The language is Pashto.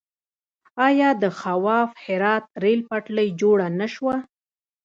آیا د خواف هرات ریل پټلۍ جوړه نه شوه؟